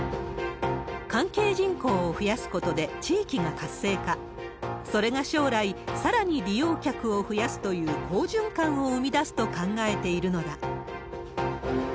関係人口を増やすことで、地域が活性化、それが将来、さらに利用客を増やすという好循環を生み出すと考えているのだ。